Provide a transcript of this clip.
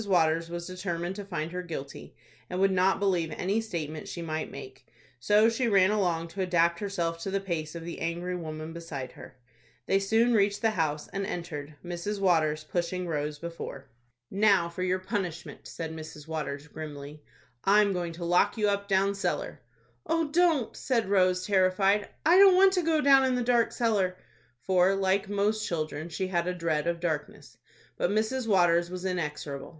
Waters was determined to find her guilty, and would not believe any statement she might make. So she ran along to adapt herself to the pace of the angry woman beside her. They soon reached the house, and entered, Mrs. Waters pushing Rose before. "Now for your punishment," said Mrs. Waters, grimly, "I'm going to lock you up down cellar." "Oh, don't," said Rose, terrified. "I don't want to go down in the dark cellar;" for, like most children, she had a dread of darkness. But Mrs. Waters was inexorable.